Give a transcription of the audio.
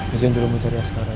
izin dulu mencari askar raya